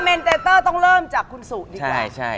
เนเตเตอร์ต้องเริ่มจากคุณสุดีกว่า